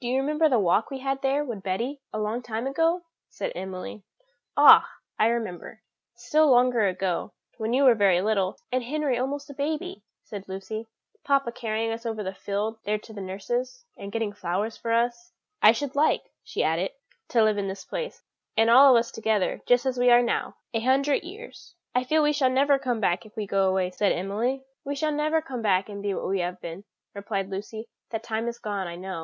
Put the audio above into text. "Do you remember the walk we had there with Betty a long time ago?" said Emily. "Ah! I can remember, still longer ago, when you were very little, and Henry almost a baby," said Lucy, "papa carrying us over the field there to nurse's, and getting flowers for us." "I should like," she added, "to live in this place, and all of us together, just as we are now, a hundred years." "I feel we shall never come back if we go away," said Emily. "We shall never come back and be what we have been," replied Lucy; "that time is gone, I know.